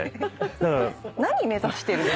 何目指してるの？